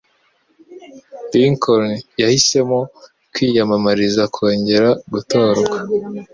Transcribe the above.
Lincoln yahisemo kwiyamamariza kongera gutorwa